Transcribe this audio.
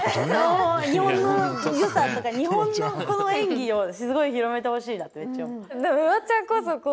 日本のよさとか日本のこの演技をすごい広めてほしいなってめっちゃ思う。